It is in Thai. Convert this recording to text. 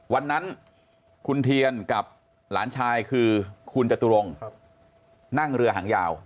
วันนั้นคุณเทียนกับหลานชายคือคุณจตุรงค์นั่งเรือหางยาว